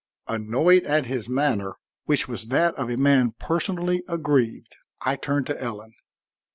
Annoyed at his manner, which was that of a man personally aggrieved, I turned to Ellen.